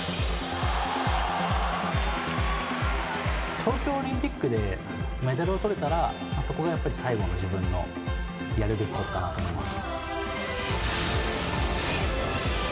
東京オリンピックでメダルをとれたらそこが最後の自分のやるべきことかなと思います。